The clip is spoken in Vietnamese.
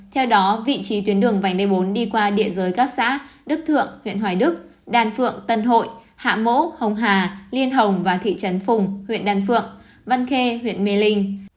theo đó vị trí tuyến đường vành đai bốn đi qua địa giới các xã đức thượng huyện hoài đức đan phượng tân hội hạ mỗ hồng hà liên hồng và thị trấn phùng huyện đan phượng văn khê huyện mê linh